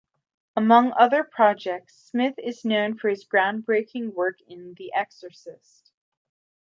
Among other projects, Smith is known for his groundbreaking work in "The Exorcist".